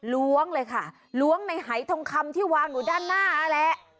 ล้วงเลยค่ะล้วงในหายทองคำที่วางอยู่ด้านหน้านั่นแหละ